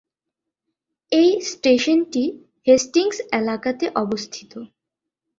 এই স্টেশনটি হেস্টিংস এলাকাতে অবস্থিত।